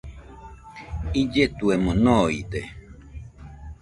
Illetuemo noide.